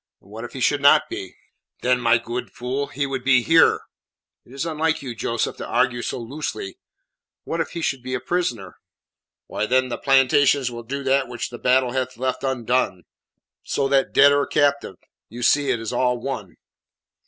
"What if he should not be?" "Then, my good fool, he would be here." "It is unlike you, Joseph, to argue so loosely. What if he should be a prisoner?" "Why, then, the plantations will do that which the battle hath left undone. So that, dead or captive, you see it is all one."